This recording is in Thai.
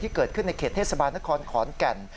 เกิดขึ้นในเขตเทศบาลนครขอนแก่น